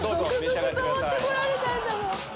続々と持ってこられたんだもん。